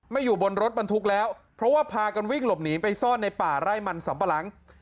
อยู่บนรถบรรทุกแล้วเพราะว่าพากันวิ่งหลบหนีไปซ่อนในป่าไร่มันสัมปะหลัง